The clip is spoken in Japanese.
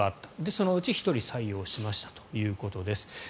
そのうち１人採用しましたということです。